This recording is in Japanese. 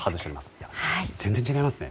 全然違いますね